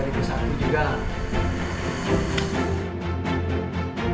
ini juga ini besar